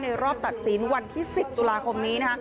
ในรอบตัดสีนวันที่๑๐ตุลาคมนี้